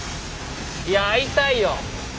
いや会いたいよ。